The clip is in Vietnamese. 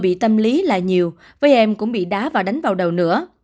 m bị tâm lý là nhiều với em cũng bị đá và đánh vào đầu nữa